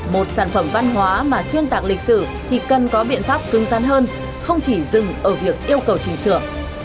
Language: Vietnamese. một sản phẩm văn hóa mà xuyên tạc lịch sử thì cần có biện pháp cưng gian hơn không chỉ dừng ở việc yêu cầu chỉnh sửa